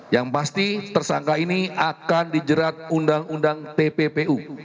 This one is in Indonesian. yang pasti tersangka ini akan dijerat undang undang tppu